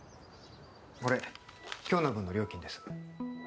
これ今日の分の料金です